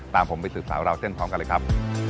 ตามผมไปสืบสาวราวเส้นพร้อมกันเลยครับ